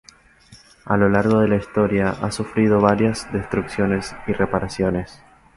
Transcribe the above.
A lo largo de la historia ha sufrido varias destrucciones y reparaciones.